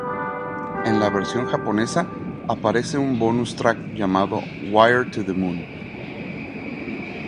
En la versión japonesa aparece un bonus track llamado "Wired To The Moon".